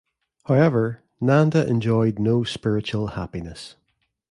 However, Nanda enjoyed no spiritual happiness.